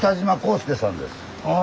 あ！